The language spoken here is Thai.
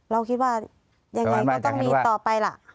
เราคิดว่ายังไงก็ต้องมีต่อไปล่ะ